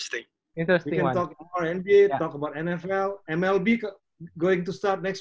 kita bisa bicara lebih tentang nba nfl